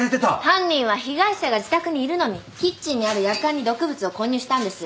犯人は被害者が自宅にいるのにキッチンにあるやかんに毒物を混入したんです。